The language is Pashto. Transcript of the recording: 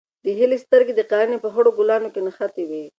د هیلې سترګې د قالینې په خړو ګلانو کې نښتې وې.